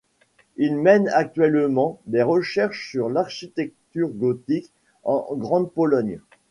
Il mène actuellement des recherches sur l'architecture gothique en Grande-Pologne.